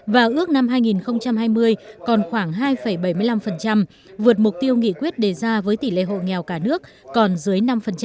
và ước năm hai nghìn hai mươi còn khoảng hai bảy mươi năm vượt mục tiêu nghị quyết đề ra với tỷ lệ hộ nghèo cả nước còn dưới năm